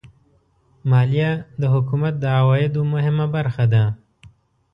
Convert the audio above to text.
مالیه د حکومت د عوایدو مهمه برخه ده.